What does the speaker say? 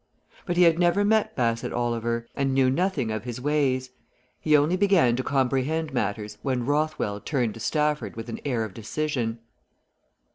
But he had never met Bassett Oliver, and knew nothing of his ways; he only began to comprehend matters when Rothwell turned to Stafford with an air of decision.